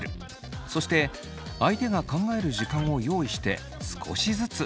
そして相手が考える時間を用意して少しずつだそう。